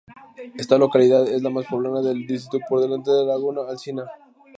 Esta localidad es la más poblada del distrito, por delante de Laguna Alsina.